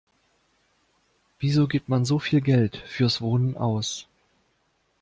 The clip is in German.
Wieso gibt man so viel Geld fürs Wohnen aus?